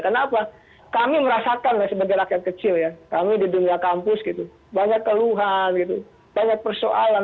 karena apa kami merasakan ya sebagai rakyat kecil ya kami di dunia kampus gitu banyak keluhan gitu banyak persoalan